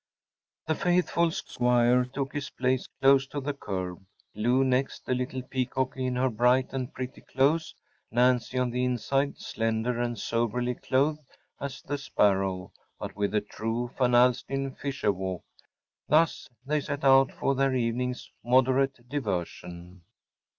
‚ÄĚ The faithful squire took his place close to the curb; Lou next, a little peacocky in her bright and pretty clothes; Nancy on the inside, slender, and soberly clothed as the sparrow, but with the true Van Alstyne Fisher walk‚ÄĒthus they set out for their evening’s moderate diversion.